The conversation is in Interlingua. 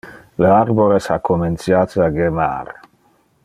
Le arbores ha comenciate a gemmar.